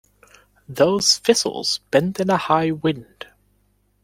Those thistles bend in a high wind.